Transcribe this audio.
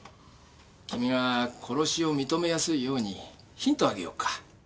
君が殺しを認めやすいようにヒントをあげようか。